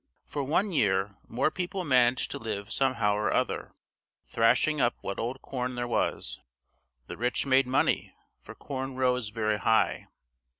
For one year more people managed to live somehow or other, thrashing up what old corn there was; the rich made money, for corn rose very high.